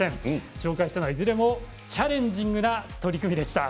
紹介したのはいずれもチャレンジングな取り組みでした。